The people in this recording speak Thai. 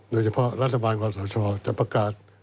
โดยเฉพาะรัฐบาลคอสชจะประกาศ